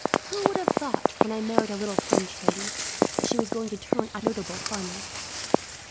Who would have thought, when I married a little French lady, that she was going to turn out a notable farmer?